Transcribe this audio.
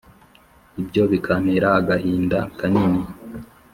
ibyo bikantera agahinda kanini,